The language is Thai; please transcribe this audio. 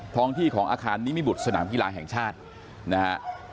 ท้องที่ของอาคารนิมิบุตรสนามกีฬาแห่งชาตินะฮะ